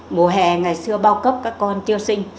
mùa hè ngày xưa bao cấp các con triêu sinh